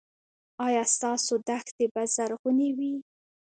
ایا ستاسو دښتې به زرغونې وي؟